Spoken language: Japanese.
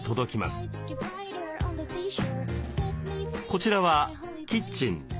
こちらはキッチン。